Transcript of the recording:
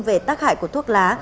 về tác hại của thuốc lá